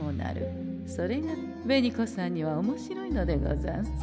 それが紅子さんにはおもしろいのでござんす。